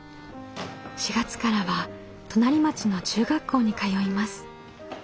４月からは隣町の中学校に通います。